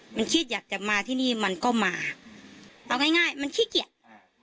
มันคิดอยากจะมาที่นี่มันก็มาเอาง่ายง่ายมันขี้เกียจอ่า